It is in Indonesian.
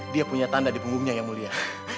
dia punya tanda di punggungnya yang mulia